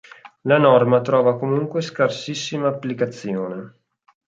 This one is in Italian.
La norma trova comunque scarsissima applicazione.